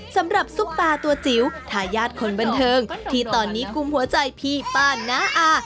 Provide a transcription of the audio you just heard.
สำหรับซุปปาตัวจิ๋วทายาตคอนบันเทิงที่ตอนนี้กุมหัวใจพี่ป้าหน้าอา